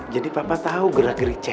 jadi papa tau gerak gerik cewek